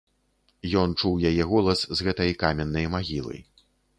Ён чуў яе голас з гэтай каменнай магілы.